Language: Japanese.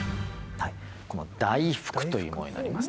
「だいふく」というものになります。